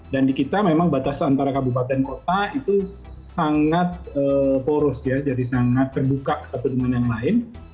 dan di kita memang batas antara kabupaten dan kota itu sangat poros jadi sangat terbuka satu dengan yang lain